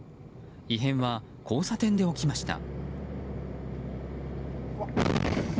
異変は交差点で起きました。